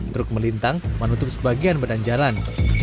truk melintang menutup sebagian badan jalan